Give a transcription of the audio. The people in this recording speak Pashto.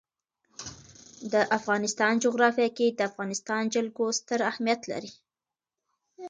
د افغانستان جغرافیه کې د افغانستان جلکو ستر اهمیت لري.